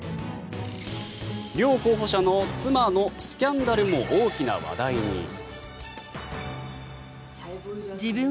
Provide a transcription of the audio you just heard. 両候補者の妻のスキャンダルも大きな話題に。